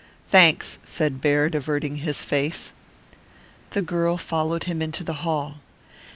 "Thanks," said Baird, averting his face. The girl followed him into the hall.